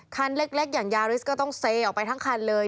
คันเล็กอย่างยาริสก็ต้องเซออกไปทั้งคันเลย